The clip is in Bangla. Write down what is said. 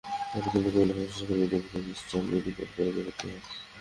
পরে তিনি কুমিল্লার বেসরকারি মেডিকেল কলেজ ইস্টার্ন মেডিকেল কলেজে ভর্তি হন।